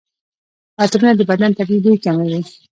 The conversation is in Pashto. عطرونه د بدن طبیعي بوی کموي.